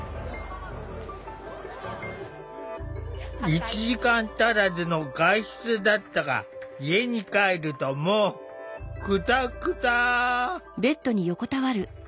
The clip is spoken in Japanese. １時間足らずの外出だったが家に帰るともうクタクタ。